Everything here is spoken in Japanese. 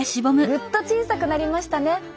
ぐっと小さくなりましたね。